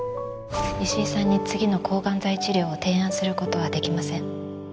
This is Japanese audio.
石井さんに次の抗がん剤治療を提案する事はできません。